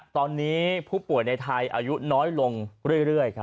ตอนนี้ผู้ป่วยในไทยอายุน้อยลงเรื่อย